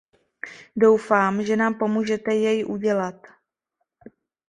Doufám, že nám pomůžete jej udělat.